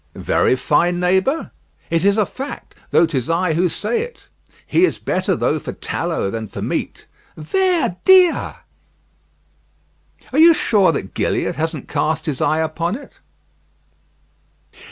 "Very fine, neighbour?" "It is a fact, tho' 'tis I who say it; he is better though for tallow than for meat." "Ver dia!" "Are you sure that Gilliatt hasn't cast his eye upon it?"